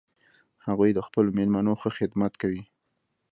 هغوی د خپلو میلمنو ښه خدمت کوي